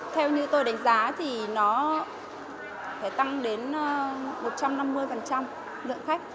theo như tôi đánh giá thì nó phải tăng đến một trăm năm mươi lượng khách